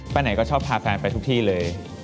ไหนก็ชอบพาแฟนไปทุกที่เลย